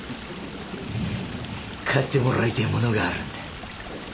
買ってもらいてえものがあるんだ。